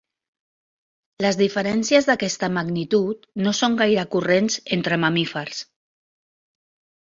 Les diferències d'aquesta magnitud no són gaire corrents entre mamífers.